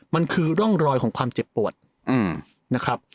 มันคือร่องรอยของความเจ็บปวดนะครับ